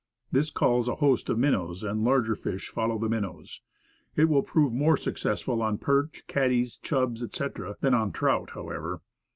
This calls a host of min nows, and the larger fish follow the minnows. It will prove more successful on perch, catties, chubs, etc., than on trout, however.